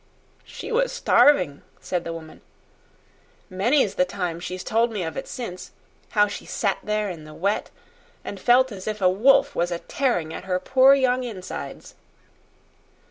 "She was starving," said the woman. "Many's the time she's told me of it since how she sat there in the wet, and felt as if a wolf was a tearing at her poor young insides."